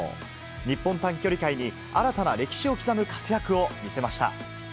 日本短距離界に新たな歴史を刻む活躍を見せました。